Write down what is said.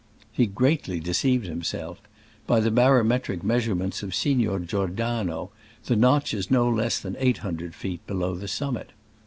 He great ly deceived himself: by the barometric measurements of Signor Giordano the notch is no less than 800 feet below the summit.